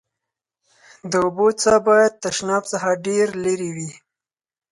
د اوبو څاه باید تشناب څخه ډېر لېري وي.